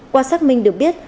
qua xác minh được biết